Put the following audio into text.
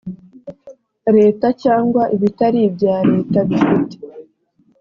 leta cyangwa ibitari ibya leta bifite